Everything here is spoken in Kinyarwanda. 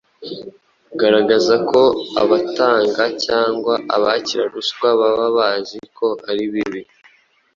Garagaza ko abatanga cyangwa abakira ruswa baba bazi ko ari bibi.